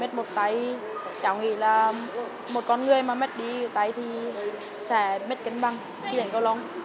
lần đầu tiên cháu học cẩu lông cháu thấy thầy bị mất một tay cháu nghĩ là một con người mà mất đi một tay thì sẽ mất kính bằng khi lên cẩu lông